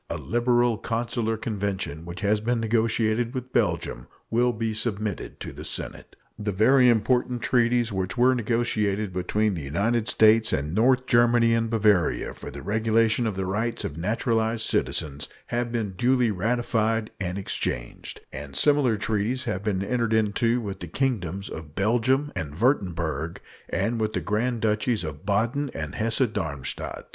A liberal consular convention which has been negotiated with Belgium will be submitted to the Senate. The very important treaties which were negotiated between the United States and North Germany and Bavaria for the regulation of the rights of naturalized citizens have been duly ratified and exchanged, and similar treaties have been entered into with the Kingdoms of Belgium and Wurtemberg and with the Grand Duchies of Baden and Hesse Darmstadt.